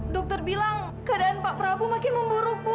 dokter bilang keadaan pak prabu makin memburuk ibu